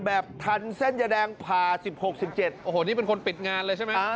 แบบทันเส้นยาแดงผ่า๑๖๑๗โอ้โหนี่เป็นคนปิดงานเลยใช่ไหม